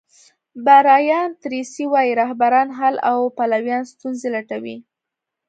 برایان تریسي وایي رهبران حل او پلویان ستونزې لټوي.